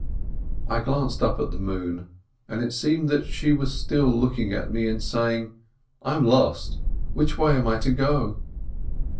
I glanced up at the moon, and it seemed that she was still looking at me, and saying, "I'm lost; which way am I to go